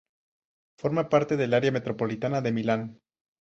Forma parte del área metropolitana de Milán.